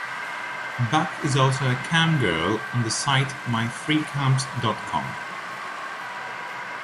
Buck is also a cam girl on the site MyFreeCams dot com.